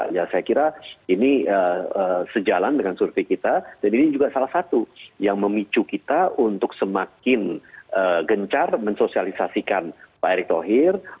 ya saya kira ini sejalan dengan survei kita dan ini juga salah satu yang memicu kita untuk semakin gencar mensosialisasikan pak erick thohir